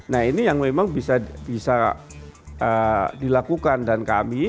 nah ini yang memang bisa dilakukan dan kami dari kementerian kepala kepala kepala kepala